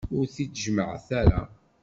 Ur t-id-jemmɛet ara.